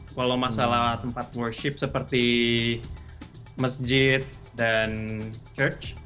kalau masalah tempat worship seperti masjid dan church